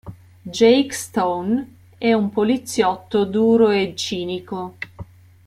Jake Stone, è un poliziotto duro e cinico.